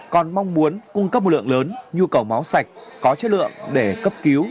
còn mong muốn cung cấp một lượng lớn nhu cầu máu sạch có chất lượng để cấp cứu